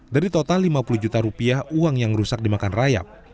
dari total lima puluh juta rupiah uang yang rusak dimakan rayap